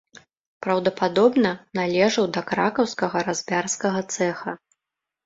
Праўдападобна, належаў да кракаўскага разьбярскага цэха.